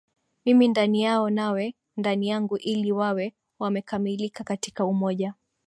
Mimi ndani yao nawe ndani yangu ili wawe wamekamilika katika umoja